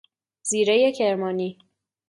زیرۀ کرمانی